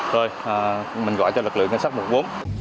rồi mình gọi cho lực lượng ngân sách một bốn